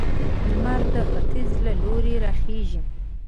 لمر د ختيځ له لوري راخيژي